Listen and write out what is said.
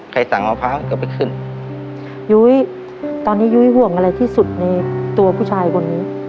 ใครสั่งเอาพระก็ไปขึ้นยุ้ยตอนนี้ยุ้ยห่วงอะไรที่สุดในตัวผู้ชายคนนี้